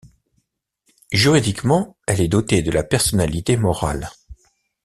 Juridiquement, elle est dotée de la personnalité morale.